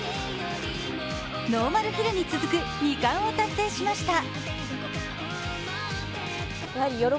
ノーマルヒルに続く２冠を達成しました。